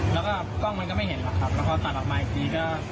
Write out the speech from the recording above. แล้วก็กล้องมันก็ไม่เห็นหรอกครับแล้วพอตัดออกมาอีกทีก็